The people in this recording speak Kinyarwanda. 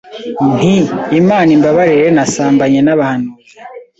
nti Imana imbabarire nasambanye n’abahanuzi,